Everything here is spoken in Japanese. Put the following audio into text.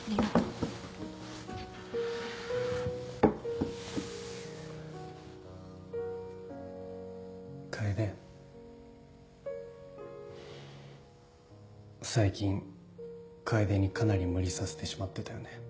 最近楓にかなり無理させてしまってたよね。